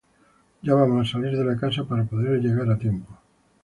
Ya vamos a salir de la casa para poder llegar a tiempo